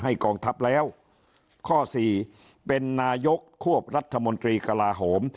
กองทัพแล้วข้อสี่เป็นนายกควบรัฐมนตรีกลาโหม